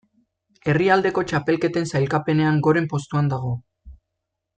Herrialdeko txapelketen sailkapenean goren postuan dago.